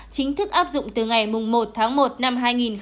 chính thức áp dụng từ ngày một tháng một năm hai nghìn hai mươi